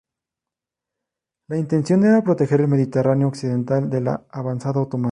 La intención era proteger el Mediterráneo occidental de la avanzada otomana.